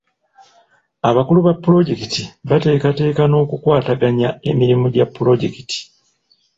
Abakulu ba polojekiti bateekateeka n'okukwataganya emirimu gya pulojekiti.